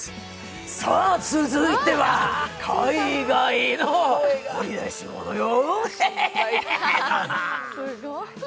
さあ、続いては海外の掘り出し物よ。